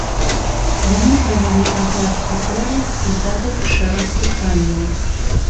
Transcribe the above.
Яны правялі агляд кватэры і задалі шэраг пытанняў.